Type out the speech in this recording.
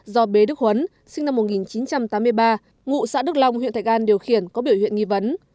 do bế đức huấn sinh năm một nghìn chín trăm tám mươi ba ngụ xã đức long huyện thạch an điều khiển có biểu hiện nghi vấn